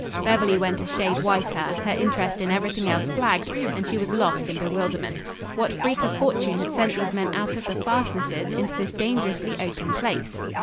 Beverly went a shade whiter; her interest in everything else flagged, and she was lost in bewilderment. What freak of fortune had sent these men out of the fastnesses into this dangerously open place?